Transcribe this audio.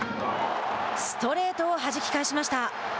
ストレートをはじき返しました。